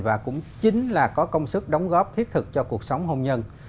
và cũng chính là có công sức đóng góp thiết thực cho cuộc sống hôn nhân